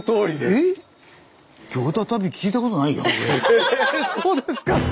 えぇそうですか！